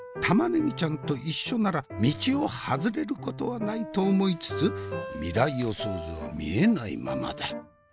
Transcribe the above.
玉ねぎちゃんと一緒なら道を外れることはないと思いつつ未来予想図は見えないままだ。